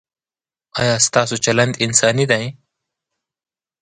ایا ستاسو چلند انساني دی؟